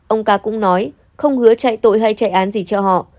ông ca cũng nói không hứa trại tội hay trại án gì cho họ